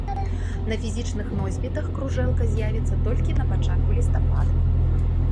На фізічных носьбітах кружэлка з'явіцца толькі на пачатку лістапада.